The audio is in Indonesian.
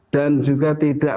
dan juga tidak